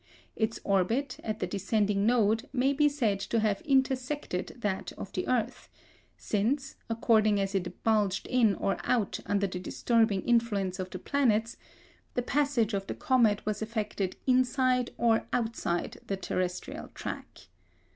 Its orbit, at the descending node, may be said to have intersected that of the earth; since, according as it bulged in or out under the disturbing influence of the planets, the passage of the comet was affected inside or outside the terrestrial track.